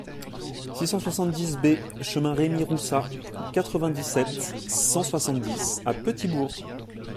six cent soixante-dix B chemin Remy Roussas, quatre-vingt-dix-sept, cent soixante-dix à Petit-Bourg